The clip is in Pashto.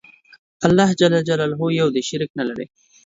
الله ج یو دی شریک نه لری